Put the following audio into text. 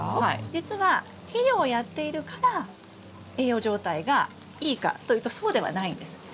じつは肥料をやっているから栄養状態がいいかというとそうではないんです。